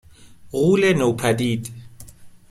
غولِ نوپدید